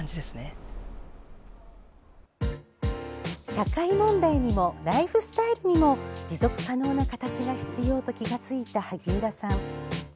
社会問題にもライフスタイルにも持続可能な形が必要と気が付いた萩生田さん。